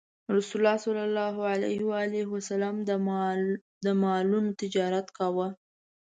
رسول الله ﷺ د مالونو تجارت کاوه.